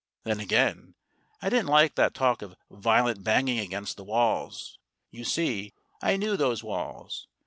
Then, again, I didn't like that talk of "violent banging against the walls." You see, I knew those walls.